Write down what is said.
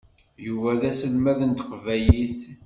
Yuba d aselmad n teqbaylit.